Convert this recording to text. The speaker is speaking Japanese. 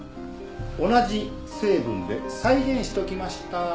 同じ成分で再現しておきました。